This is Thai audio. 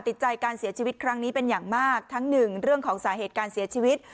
ติดใจการเสียชีวิตครั้งนี้เป็นอย่างมากทั้งหนึ่งเรื่องของสาเหตุการเสียชีวิต